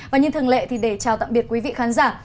và như thường lệ thì để chào tạm biệt quý vị khán giả